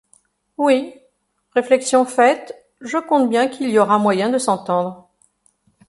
Oui!... réflexion faite, je compte bien qu’il y aura moyen de s’entendre !